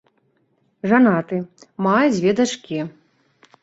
Жанаты, мае дзве дачкі.